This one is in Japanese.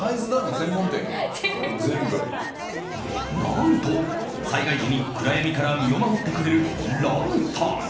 何と災害時に暗闇から身を守ってくれる、ランタン。